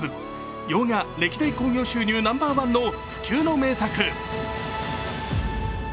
洋画歴代興行収入ナンバーワンの不朽の名作。